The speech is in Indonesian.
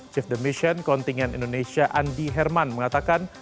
chief demission kontingen indonesia andi herman mengatakan